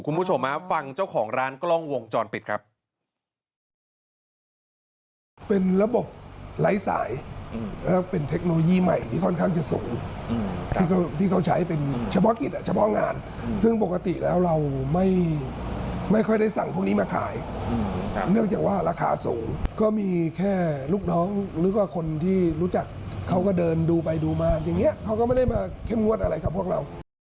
คุณผู้ชมฟังเจ้าของร้านกล้องวงจรปิดครับ